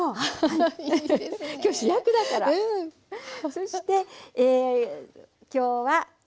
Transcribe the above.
そして今日は豚肉。